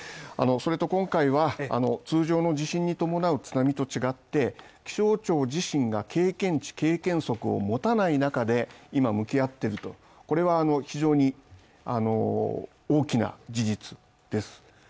それと今回は通常の地震に伴う津波と違って気象庁自身が経験値経験則を持たない中で、今向き合っているとこれは非常に大きな事実です。